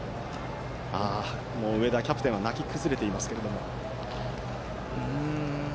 上田、キャプテンはもう泣き崩れていますけれども。